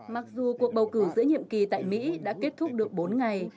mặc dù cuộc bầu cử giữa nhiệm kỳ tại mỹ đã kết thúc được bốn ngày